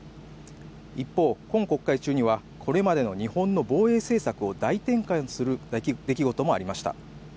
一方、今国会中にはこれまでの日本の防衛政策を大転換する出来事もありました。